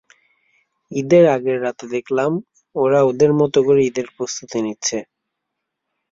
ঈদের আগের রাতে দেখলাম, ওরা ওদের মতো করে ঈদের প্রস্তুতি নিচ্ছে।